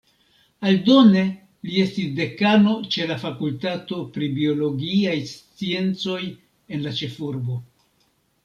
Aldone li estis dekano ĉe la fakultato pri biologiaj sciencoj en la ĉefurbo.